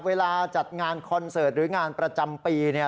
เวลาจัดงานคอนเสิร์ตหรืองานประจำปีเนี่ย